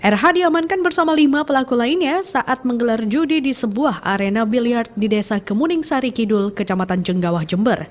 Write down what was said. rh diamankan bersama lima pelaku lainnya saat menggelar judi di sebuah arena biliard di desa kemuning sari kidul kecamatan jenggawah jember